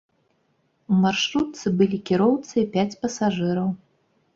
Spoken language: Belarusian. У маршрутцы былі кіроўца і пяць пасажыраў.